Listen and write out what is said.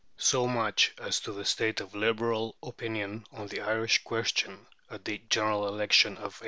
So much as to the state of Liberal opinion on the Irish question at the General Election of 1885.